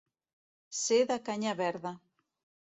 Ser de canya verda.